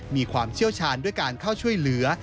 มีความเชี่ยวชาญด้วยการเข้าช่วยเหลือ